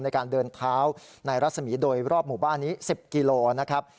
ในการเดินเท้าในรัศมีร์โดยรอบหมู่บ้านนี้๑๐กิโลนะครับ